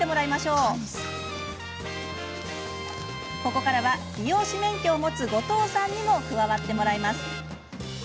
ここからは、美容師免許を持つ後藤さんにも加わってもらいます。